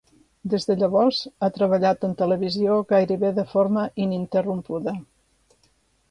Des de llavors ha treballat en televisió gairebé de forma ininterrompuda.